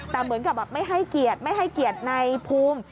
แต่เหมือนกับไม่ให้เกียรติในภูมิ